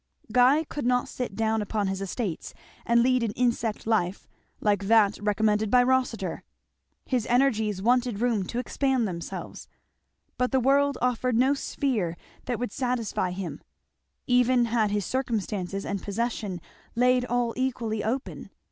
Guy could not sit down upon his estates and lead an insect life like that recommended by Rossitur. His energies wanted room to expend themselves. But the world offered no sphere that would satisfy him; even had his circumstances and position laid all equally open.